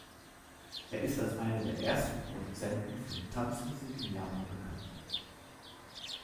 Er ist als einer der ersten Produzenten von „Tanzmusik“ in Japan bekannt.